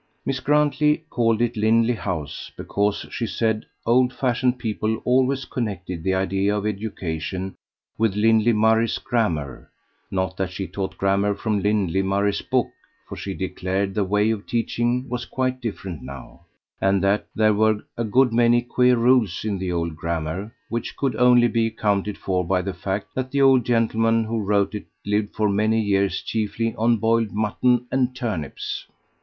Miss Grantley called it Lindley House because, she said, old fashioned people always connected the idea of education with Lindley Murray's Grammar not that she taught grammar from Lindley Murray's book, for she declared the way of teaching was quite different now, and that there were a good many queer rules in the old grammar which could only be accounted for by the fact that the old gentleman who wrote it lived for many years chiefly on boiled mutton and turnips!